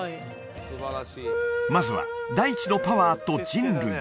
まずは大地のパワーと人類